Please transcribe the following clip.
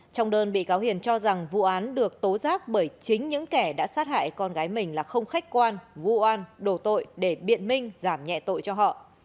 trong đơn bị cáo hiền cho rằng vụ án được tố giác bởi chính những kẻ đã sát hại con gái mình là không khách quan vụ an đổ tội để biện minh giảm nhẹ tội cho họ